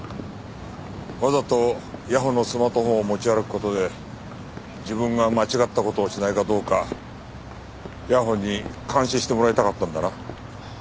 わざと谷保のスマートフォンを持ち歩く事で自分が間違った事をしないかどうか谷保に監視してもらいたかったんだな？